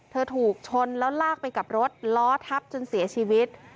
ถูกชนแล้วลากไปกับรถล้อทับจนเสียชีวิต